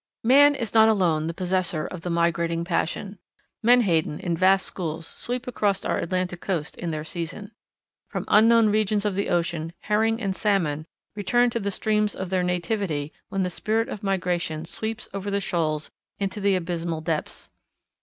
Man is not alone the possessor of the migrating passion. Menhaden, in vast schools, sweep along our Atlantic Coast in their season. From unknown regions of the ocean herring and salmon return to the streams of their nativity when the spirit of migration sweeps over the shoals into the abysmal depths.